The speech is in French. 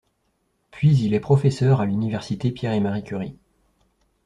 Puis il est professeur à l'Université Pierre-et-Marie-Curie.